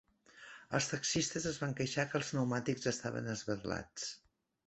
Els taxistes es van queixar que els pneumàtics estaven esberlats.